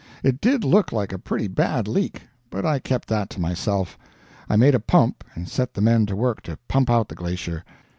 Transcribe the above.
It did look like a pretty bad leak, but I kept that to myself. I made a pump and set the men to work to pump out the glacier.